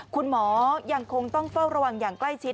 คุณหมอยังคงต้องเฝ้าระวังอย่างใกล้ชิด